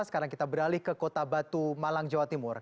sekarang kita beralih ke kota batu malang jawa timur